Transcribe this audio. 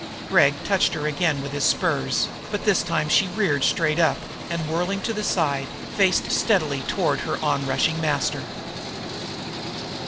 Gregg touched her again with the spurs, but this time she reared straight up and, whirling to the side, faced steadily toward her onrushing master.